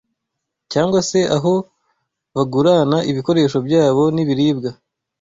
cyangwa se aho bagurana ibikoresho byabo n’ibiribwa